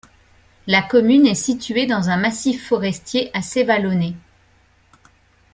La commune est située dans un massif forestier assez vallonné.